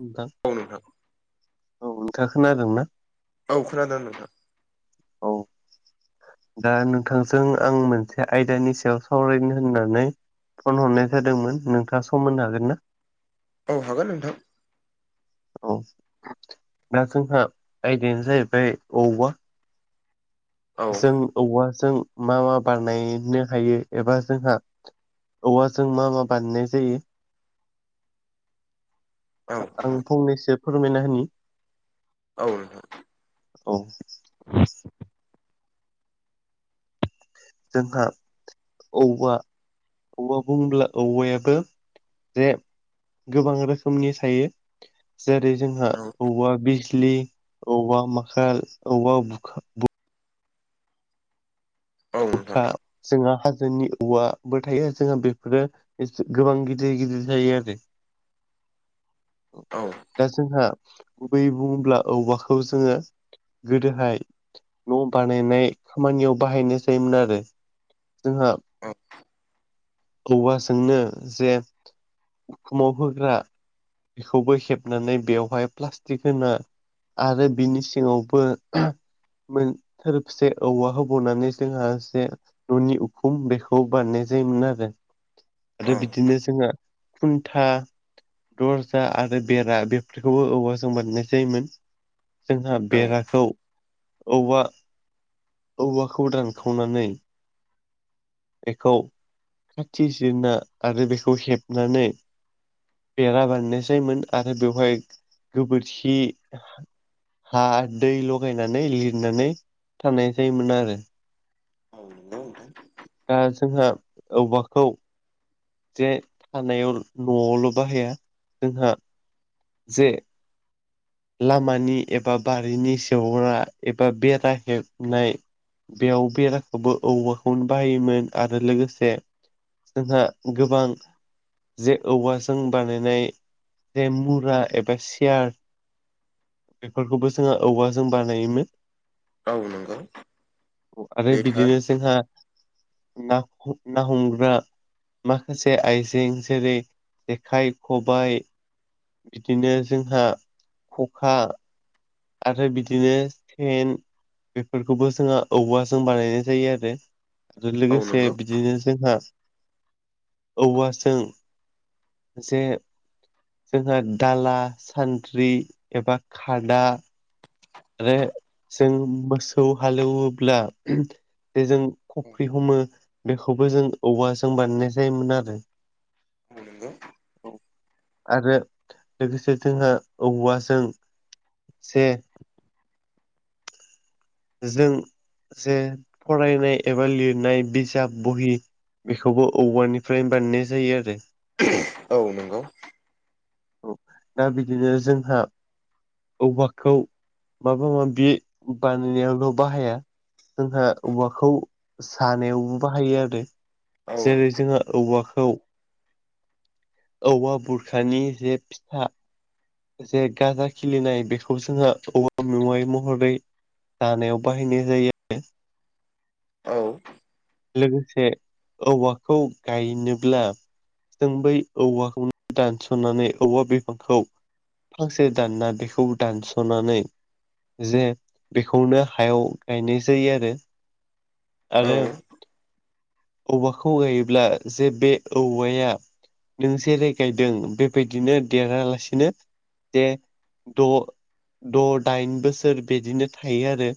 नोंथां औ नोंथां औ नोंथाङा खोनादों ना? औ खोनादों नोंथां। औ दा नोंथांजों आं मोनसे आयदानि सायाव सावरायनो होननानै फन हरनाय जादोंमोन नोंथाङा सम मोननो हागोन ना? औ हागोन नोंथां। औ दा जोंहा आयदायानो जाहैबाय औवा औ जों औवाजों मा मा बानायनो हायो एबा जोंहा औवाजों मा मा बानायनाय जायो औ आं नोंथां फंनैसो फोरमायना होनि। औ नोंथां। औ जोंहा औवा औवा बुङोब्ला औवायाबो जे गोबां रोखोमनि थायो। जेरै जोंहा औ औवा बिस बिज्लि, औवा माखौल, औवा बुरखा औ नोंथां जोंहा हाजोनि औवा बो थायो जोंहा बेफोरो गोबां गिदिर गिदिर जायो आरो। औ दा जोंहा गुबैयै बुङोब्ला औवाखौ जोङो गोदोहाय न' बानायनाय खामानियाव बाहायनाय जायोमोन आरो। जोंहा औ औवाजोंनो जे उखुमाव होग्रा बेखौबो हेबनानै बेवहाय प्लास्टिक होना आरो बिनि सिंआवबो मोन थोरबसे औवा होबावनानै जोंहा जे न'नि उखुम बेखौ बानायनाय जायोमोन आरो। औ आरो बिदिनो जोंहा खुन्था दरजा आरो बेरा बेफोरखौबो औवाजों बानायनाय जायोमोन। जोंहा बेराखौ औवा औवाखौ दानखावनानै बेखौ खाथि जिरना आरो बेखौ हेबनानै बेरा बानायनाय जायोमोन आरो बेवहाय गोबोरखि हा दै लगायनानै लिरनानै थानाय जायोमोन आरो औ औ द दा जोंहा औवाखौ जे थानायाव न'आवल' बाहाया जोंहा जे लामानि एबा बारिनि सौहग्रा एबा बेरा हेबनाय बेयाव बेराखौबो औवाखौनो बाहायोमोन आरो लोगोसे जोंहा गोबां जे औवाजों बानायनाय जे मुरा एबा सियार बेफोरखौबो जोंहा औवाजों बानायोमोन औ नंगौ आरो बे थार बिदिनो जोंहा न ना हमग्रा माखासे आइजें जेरै जेखाइ खबायाइ बिदिनो जोंहा खखा आरो बिदिनो सेन बेफोरखौबो जोंहा औबवाजों बानायनाय जायो आरो आरो औ लोगोसे नंगौ बिदिनो जोंहा औवाजों ज जोंहा दाला सान्द्रि एबा खादा आरो जों मोसौ हालेवोब्ला जे जों औ खफ्रि हमो बेखौबो जों औवाजों बानायनाय जायोमोन आरो बुं न द आरो लोगोसे जोंहा औवाजों से जों जे फरायनाय एबा लिरनाय बिजाब बहि बेखौबो औवानिफ्रायनो बाननाय जायो आरो औ नंगौ औ दा बिदिनो जोंहा औवाखौ माबा माबि बानायनायावल' बाहाया जोंहा औवाखौ सानायावबो बाहायो आरो औ जेरै जोंहा औवाखौ औवा बुरखानि जे फिसा जे गाजा खिलिनाय बेखौ जोंहा औवा मेवै महरै जानायाव बाहायनाय जायो। औ लोगोसे औवाखौ गायनोब्ला जों बै औवाखौनो दानस'नानै औवा बिफांखौ फांसे दानना बेखौ दानस'नानै जे बेखौनो हायाव गायनाय जायो आरो। आरो औवाखौ गायोब्ला जे बे औवाया नों ज रायगायदों बेबायदिनो देरालासिनो बे द' द' दाइन बोसोर बिदिनो थायो आरो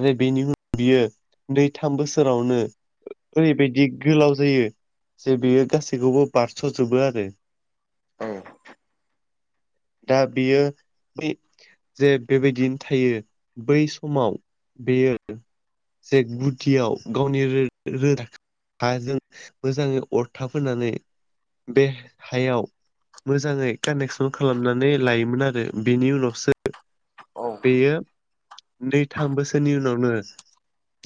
आरो बेनि उनाव बियो नै थाम बोसोरावनो ओरैबायदि गोलाव जायो जे बेयो गासैखौबो बारस'जोबो आरो। औ दा बेयो बै जे बेबायदियनो थायो बै समाव बेयो जेक गुटियाव गावनि रो हाजों मोजाङै अरथाब होनानै बे हायाव मोजाङै कानेक्सन खालामनानै लायोमोन आरो। बिनि उनावसो बेयो नै थाम बोसोरनि उनावनो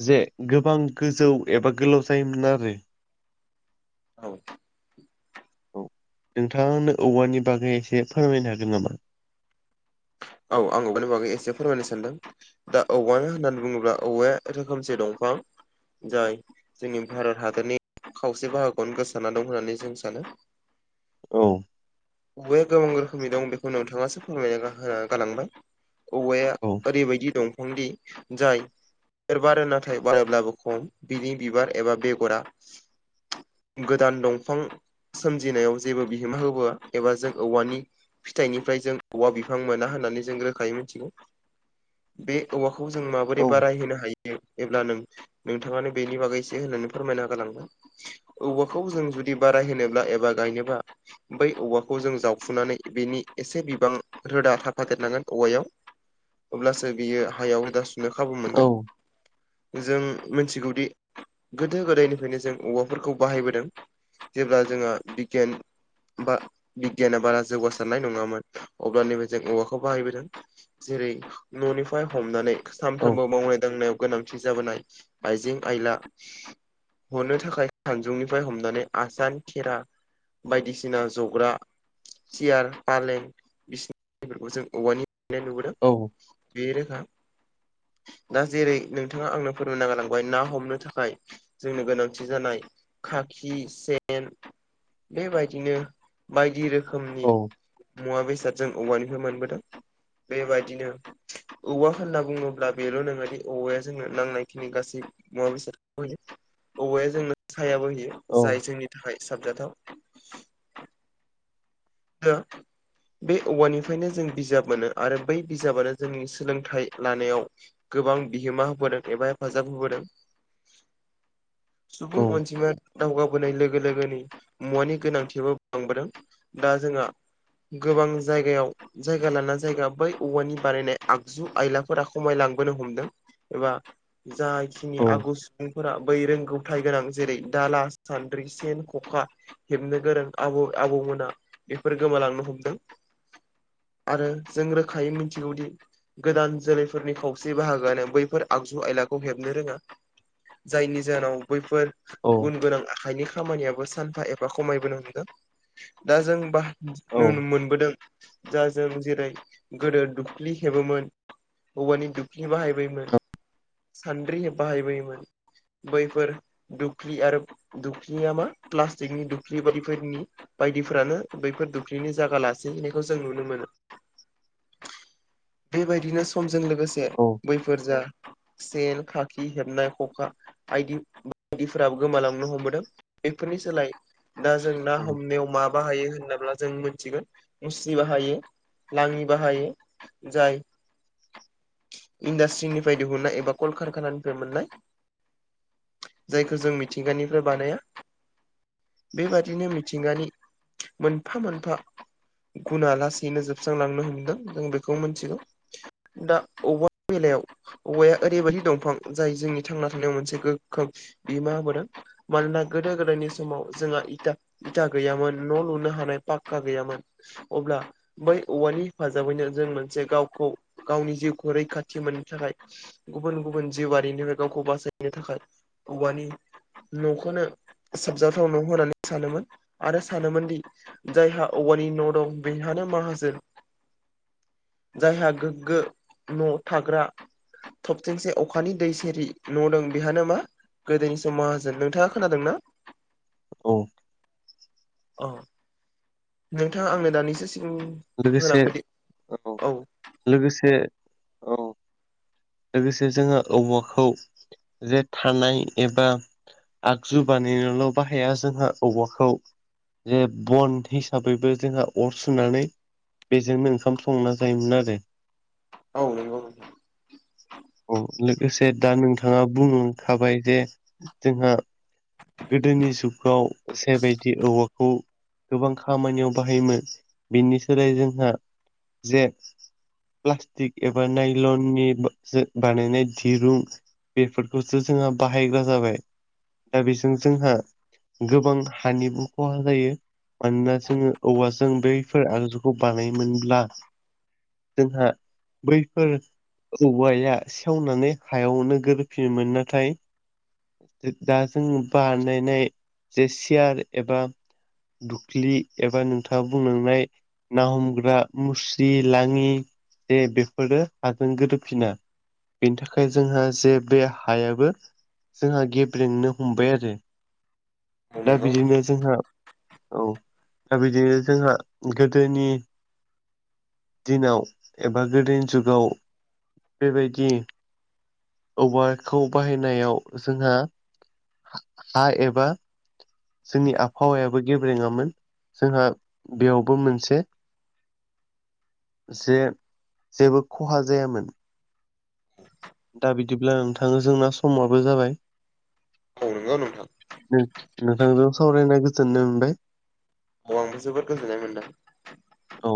जे गोबां गोजौ एबा गोलाव जायोमोन आरो औ औ नोंथांङा आंनो औवानि बागै एसे फोरमायनो हागोन नामा? औ आं औवानि बागै एसे फोरमायनो सानदों दा औवाया होननानै बुङोब्ला औवाया रोखोमसे दंफां जाय जोंनि भारत हादोरनि खावसे बाहागोआवनो गोसाना दं होननानै जों सानो औ औवाया गोबां रोखोमनि दं बेखौ नोंथाङासो फोरमायना गाहोआ गालांबाय औवाया औ ओरैबायदि दंफांदि जाय बिबार बारो नाथाय बारोब्लाबो खम बिनि बिबार एबा बेगरा गोदान दंफां सोमजिनायाव जेबो बिहोमा होबोआ एबा जों औवानि फिथाइनिफाय जों औवा बिफां मोना होन नानै जों रोखायै मिथिगौ बे औवाखौ जों माबोरै औ बाराय होनोनो हायो एब्ला नों नोंथाङानो बेनि बागै एसे होननानै फोरमायना गालांबाय औबवाखौ जों जुदि बाराय होनोब्ला एबा गायनोबा बै औवाखौ जों जावफुनानै बिनि एसे बिबां रोदा था फादेरनांगोन औवायाव अब्लासो बियो हायाव रोदा सुनो खाबु औ मोनगोन जों मोनथिगौदि गोदो गोदायनिफ्रायनो जों औवाफोरखौ बाहायबोदों जेब्ला जोंहा बिगियान बा बिगियाना बारा जौगासारनाय नङामोन अब्लानिफाय जों औवाख खौ बाहायबोदों जेरै न'निफाय हमनानै औ सानफ्रामबो मावनाय दांनायाव गोनांथि जाबोनाय आइजें आयला हनो थाखाय खानजुंनिफ्राय हमनानै आसान खेरा बायदिसिना जग्रा सियार पालें बिसिनिफोरखौ जों औवानि हेबनाय नुबोदों औ बे रोखा दा जेरै नोंथाङा आंनो फोरमायना गारलांबाय ना हमनो थाखाय जोंनो गोनांथि जानाय खाखि सेन बेबायदिनो बायदि रोखोमनि औ मुवा बेसाद जों औवानिफ्राय मोनबोदों बेबायदिनो औवा होनना बुङोब्ला बेल' नोङादि औवाया जोंनो नांनायखिनि गासै मुवा बेसादखौ होयो औवाया जोंनो सायाबो होयो औ जाय जोंनि थाखाय साबजाथाव [unintelligible] बे औवानिफायनो जों बिजाब मोनो आरो बै बिजाबानो जोंनि सोलोंथाइ लानायाव गोबां बिहोमा होबोदों एबा हेफाजाब होबोदों औ सुबुं अनजिमाया दावगाबोनाय लोगो लोगोनि मुवानि गोनांथियाबो बांबोदों दा जोंङा गोबां जायगायाव जायगा लाना जायगा बै औवानि बानायनाय आगजु आयलाफोरा खमायलांबोनो हमदों एबा जाखिनि औ आगुस फोरा बै रोंगौथाय गोनां जेरै दाला सान्द्रि सेन ख'खा हेबनो गोरों आबै आबौमोना बेफोर गोमालांनो हमदों आरो जों रोखायै मिनथिगौदि गोदान जोलैफोरनि खावसे बाहागोआानो बैफोर आगजु आयलाखौ हेबनो रोङा जायनि जाहोनाव बैफोर औ गुन गोनां आखाइनि खामानियाबो सानफा एफा खमायबोनो हमदों दा जों बाहायनो मोनबोदों जा जों जेरै गोदो दुख्लि हेबोमोन औवानि दुख्लि बाहायबोयोमोन सान्द्रि बाहायबोयोमोन बैफोर दुख्लि आरो दुख्लिया मा प्लास्टिकनि दुख्लि बायदिफोरनि बायद गदिफोरानो बैफोर दुखलिनि जागा लासेहैनायखौ जों नुनो मोनो। बेबायदिनो समजों लोगोसे औ बैफोर जा सेन खाखि हबनाय खखा आइदि बायदिफोराबो गोमालांनो हमबोदों बेफोरनि सोलाय दा जों ना हमनायाव मा बाहायो होनाब्ला जों मिथिगोन मुस्रि बाहायो लाङि बाहायो। जाय इन्डास्ट्रिनिफ्राय दिहुननाय एबा कलकारखानानिफ्राय मोननाय जायखौ जों मिथिंगानिफ्राय बानाया बेबादिनो मिथिंगानि मोनफा मोनफा गुना लासैनो जोबस्रांलांनो हमदों जों बेखौ मोनथिगौ दा अ बेलायाव औवाया ओरैबायदि दंफां जाय जोंनि थांना थानायाव मोनसे गोख्रों बिहोमा होबोदों मानोना गोदो गोदायनि समाव जोंहा इा इथा गैयामोन न' लुनो हानाय पक्का गैयामोन अब्ला बै औवानि हेफाजाबैनो जों मोनसे गावखौ गावनि जिउखौ रैखाथि मोननो थाखाय गुबुन गुबुन जिउआरिनिफ्राय गावखौ बासायनो थाखाय औवानि न'खौनो साबजाथाव न' होननानै सानोमोन आरो सानोमोनदि जायहा औवानि न' दं बेहानो माखाजोन जायहा गोग्गो न' थाग्रा थबथिंसे अखानि दै सेर न' दं बेहानो मा गोदोनि समाव हाजोन नोंथाङा खोनादों ना? औ औ नोंथाङा आंनो दानिसो सिम लोगोसे होलांबोदि औ लोगोसे औ लोगोसे जोङो औवाखौ जे थानाय एबा आगजु बानायनोल' बाहाया जोंहा औबवाखौ जे बन हिसाबैबो जोंहा अर सुनानै बेजोंनो ओंखाम संना जायोमोन आरो औ औ औ लोगोसे दा नोंथाङा बुंनो थाबाय जे जोंहा [inaudible] गोदोनि जुगाव जेबायदि औवाखौ गोबां खामानियाव बाहायोमोन बेनि सोलाय जोंहा जे प्लास्टिक एबा नाइलननि बानायनाय दिरुं बेफोरखौसो जोंहा बाहायग्रा जाबाय दा बेजों जोंहा गोबां हानिबो खहा जायो। मानोना जोङो औवाजों बैफोर आगजुखौ बानायोमोनब्ला जोंहा बैफोर औवाया सेवनानै हायावनो ग्रोफिनोमोन नाथाय दा जों बानायनाय जे सियार एबा दुख्लि एबा नोंथाङा बुंलांनाय ना हमग्रा मुस्रि लाङि जे बेफोरो हाजों गोरोबफिना बेनि थाखाय जोंहा जे बे हायाबो जोंहा गेब्रेंनो हमबाय आरो द औ दा नंगौ बिदिनो जोंहा औ दा बिदिनो जोंहा गोदोनि दिनाव एबा गोदोनि जुगाव बेबायदि औवाखौ बाहायनायाव जोंहा हा एबा जोंनि आबहावायाबो गेब्रेङामोन जोंहा बेयावबो मोनसे जे जेबो खहा जायामोन। दा बिदिब्ला नोंथाङो जोंना समआबो जाबाय। औ नोंगौ नोंथां। नों-नोंथांजों सावरायना गोजोननाय मोनबाय। अ आंबो जोबोद गोजोननाय मोनदों। औ।